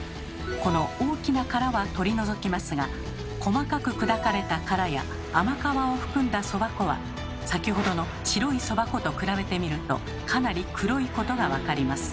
この大きな殻は取り除きますが細かく砕かれた殻や甘皮を含んだそば粉は先ほどの白いそば粉と比べてみるとかなり黒いことが分かります。